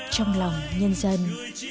trong lòng nhân dân